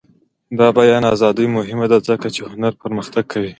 د بیان ازادي مهمه ده ځکه چې هنر پرمختګ کوي.